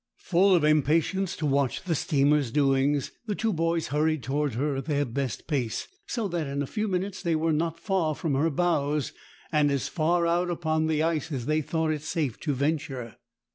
Full of impatience to watch the steamer's doings, the two boys hurried toward her at their best pace, so that in a few minutes they were not far from her bows, and as far out upon the ice as they thought it safe to venture.